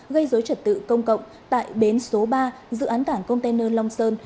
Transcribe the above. gây dối trật tự công cộng tại bến số ba dự án cảng container long sơn